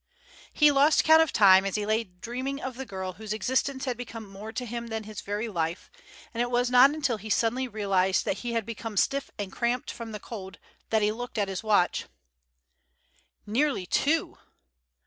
He lost count of time as he lay dreaming of the girl whose existence had become more to him than his very life, and it was not until he suddenly realized that he had become stiff and cramped from the cold that he looked at his watch. Nearly two!